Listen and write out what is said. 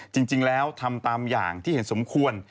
จริงแล้วทำตามอย่างที่เห็นสมควร